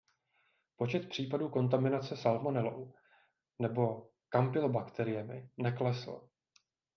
Počet případů kontaminace salmonelou, nebo kampylobakteriemi neklesl.